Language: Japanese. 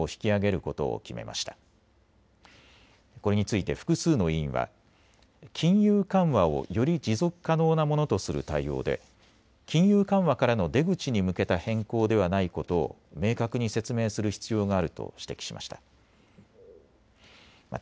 これについて複数の委員は金融緩和をより持続可能なものとする対応で金融緩和からの出口に向けた変更ではないことを明確に説明する必要があると指摘しました。